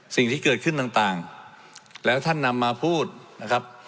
สิ่งที่เกิดขึ้นต่างแล้วท่านนำมาพูดนะครับ